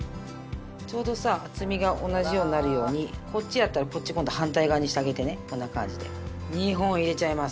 ちょうどさ厚みが同じようになるようにこっちやったらこっち今度反対側にしてあげてねこんな感じで２本入れちゃいます。